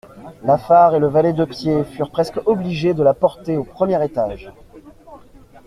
Lafare et le valet de pied furent presque obligés de la porter au premier étage.